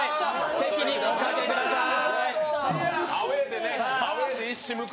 席におかけください。